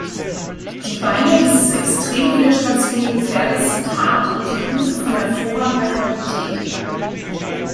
Die Beine dieses extrem widerstandsfähigen Pferdes sind hart und die Hufe von hervorragender Qualität.